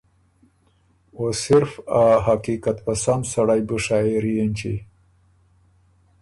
او صرف ا حقیقت پسند سړئ بُو شاعېري اېنچی